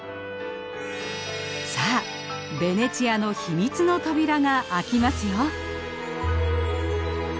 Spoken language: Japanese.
さあベネチアの秘密の扉が開きますよ。